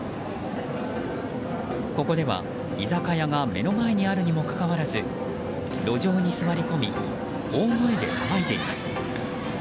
ここでは居酒屋が目の前にあるにもかかわらず路上に座り込み大声で騒いでいます。